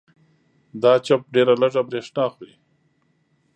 دا چپ ډېره لږه برېښنا خوري.